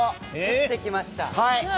降って来ました。